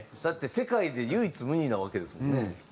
だって世界で唯一無二なわけですもんね。